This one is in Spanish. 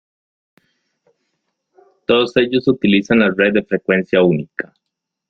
Todos ellos utilizan las redes de frecuencia única.